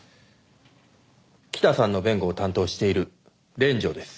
北さんの弁護を担当している連城です。